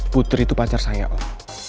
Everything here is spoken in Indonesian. putri itu pacar saya loh